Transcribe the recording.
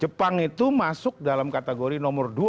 jepang itu masuk dalam kategori nomor dua